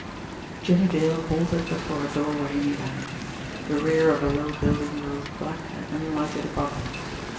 Jimmie Dale halted before a doorway in the alley. The rear of a low building rose black and unlighted above him.